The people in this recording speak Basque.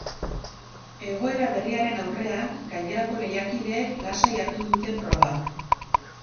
Egoera berriaren aurrean, gainerako lehiakideek lasai hartu dute proba.